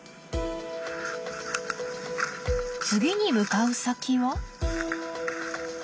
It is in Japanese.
次に向かう先は？